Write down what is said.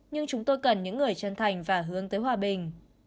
nhưng chúng tôi cần những người chân thành và hướng tới hòa bình